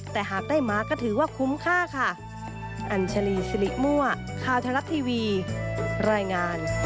แต่หากได้หมาก็ถือว่าคุ้มค่าค่ะ